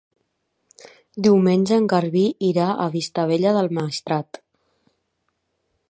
Diumenge en Garbí irà a Vistabella del Maestrat.